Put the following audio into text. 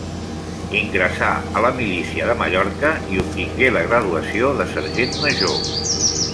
Ingressà a la milícia de Mallorca i obtingué la graduació de sergent major.